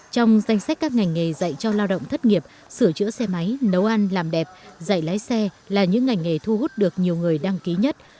trong danh sách các ngành nghề dạy cho lao động thất nghiệp sửa chữa xe máy nấu ăn làm đẹp dạy lái xe là những ngành nghề thu hút được nhiều người đăng ký nhất